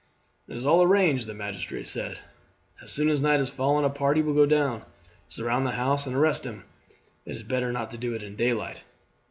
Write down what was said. "It is all arranged," the magistrate said; "as soon as night has fallen a party will go down, surround the house, and arrest him. It is better not to do it in daylight.